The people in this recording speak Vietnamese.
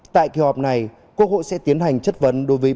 tại kỳ họp này quốc hội sẽ tiến hành chất vấn đối với bốn đồng